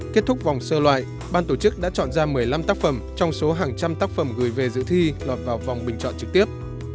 kết thúc vòng sơ loại ban tổ chức đã chọn ra một mươi năm tác phẩm trong số hàng trăm tác phẩm gửi về dự thi lọt vào vòng bình chọn trực tiếp